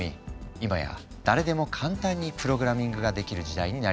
今や誰でも簡単にプログラミングができる時代になりつつある。